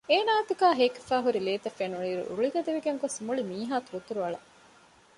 އޭނާ އަތުގައި ހޭކިފައި ހުރި ލޭތައް ފެނުނުއިރު ރުޅި ގަދަވެގެން ގޮސް މުޅިމީހާ ތުރުތުރު އަޅަ